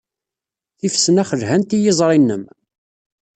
Tifesnax lhant i yiẓri-nnem.